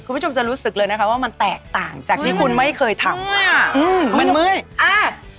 คุณผู้ชมจะรู้สึกเลยนะคะว่ามันแตกต่างจากที่คุณไม่เคยทำอ่าอืมมันเมื่อยอ่า